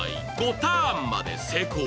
ターンまで成功。